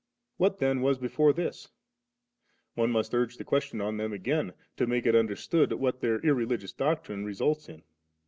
What then was before this ? One must urge the question on them again, to make it understood what their irreligious doctrine re sults in*.